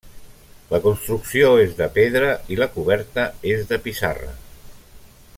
La construcció és de pedra i la coberta és de pissarra.